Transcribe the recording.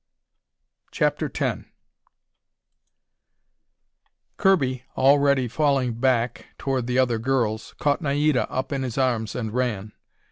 CHAPTER X Kirby, already falling back toward the other girls, caught Naida up in his arms, and ran.